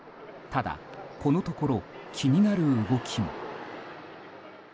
ただ、このところ気になる動きも。